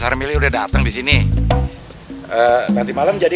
senyor sudah datang disini mengerti male eventually